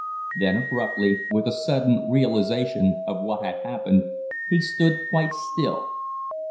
Then, abruptly, with a sudden realization of what had happened, he stood quite still.